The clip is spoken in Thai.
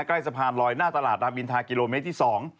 ใกล้สะพานลอยหน้าตลาดรามอินทากิโลเมตรที่๒